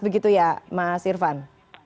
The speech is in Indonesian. begitu ya mas irvan